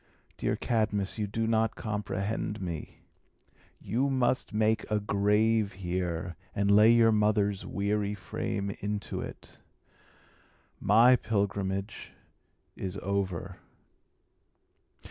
Dear Cadmus, you do not comprehend me. You must make a grave here, and lay your mother's weary frame into it. My pilgrimage is over."